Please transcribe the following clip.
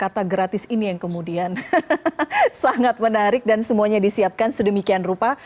kata gratis ini yang kemudian sangat menarik dan semuanya disiapkan sedemikian rupa